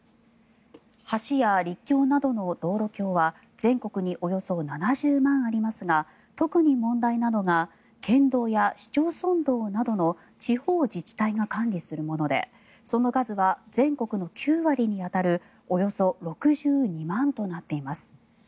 橋や陸橋などの道路橋は全国におよそ７０万ありますが特に問題なのが県道や市町村道などの地方自治体が管理するものでその数は全国の９割に当たるおよそ６２万となっています。